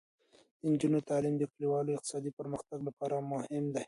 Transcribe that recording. د نجونو تعلیم د کلیوالو اقتصادي پرمختګ لپاره مهم دی.